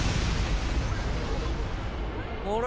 あれ？